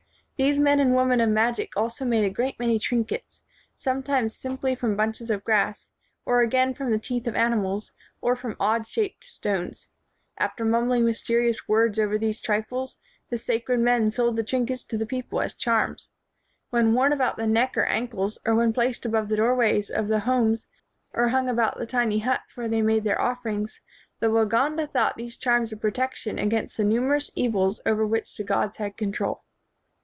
These men and women of magic also made a great many trinkets, sometimes simply from bunches of grass, or again from the teeth of animals, or from odd shaped stones. After mumbling mysterious words over these trifles, the sacred men sold the trin kets to tlie people as charms. When worn about the neck or ankles, or when placed above the doorways of the homes or hung about the tiny huts where they made their 113 WHITE MAN OF WORK offerings, the Waganda thought these charms a protection against the numerous evils over which the gods had control.